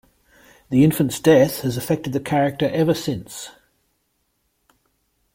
The infant's death has affected the character ever since.